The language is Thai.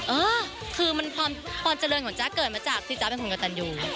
เออคือมันความเจริญของจ๊ะเกิดมาจากที่จ๊ะเป็นคนกระตันยู